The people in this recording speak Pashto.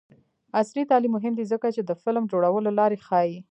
عصري تعلیم مهم دی ځکه چې د فلم جوړولو لارې ښيي.